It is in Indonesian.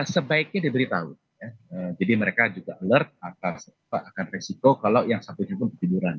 sebaiknya diberitahu jadi mereka juga alert akan resiko kalau yang satunya pun ketiduran